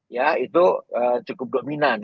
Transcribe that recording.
ya itu cukup dominan